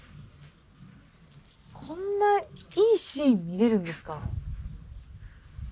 こんないいシーン見れるんですか？